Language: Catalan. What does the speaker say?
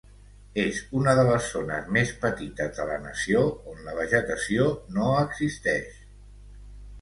És una de les zones més petites de la nació on la vegetació no existeix.